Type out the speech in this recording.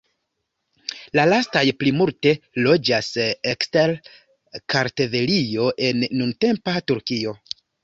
La lastaj plimulte loĝas ekster Kartvelio, en nuntempa Turkio.